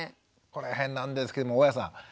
この辺なんですけれども大矢さん。